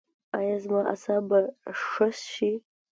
ایا زما اعصاب به ښه شي؟